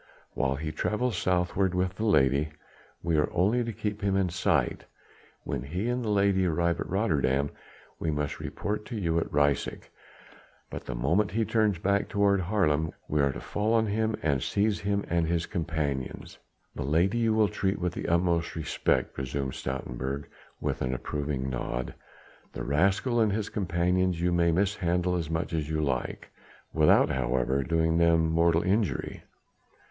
While he travels southwards with the lady, we are only to keep him in sight; when he and the lady arrive at Rotterdam we must report to you at Ryswyk, but the moment he turns back toward Haarlem we are to fall on him and seize him and his companions." "The lady you will treat with the utmost respect," resumed Stoutenburg with an approving nod, "the rascal and his companions you may mishandle as much as you like, without, however, doing them mortal injury.